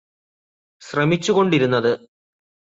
ശ്രമിച്ചുകൊണ്ടിരുന്നത്